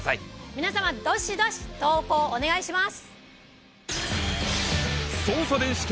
皆さまどしどし投稿お願いします。